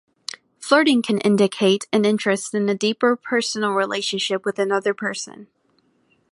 Flirting can indicate an interest in a deeper personal relationship with another person.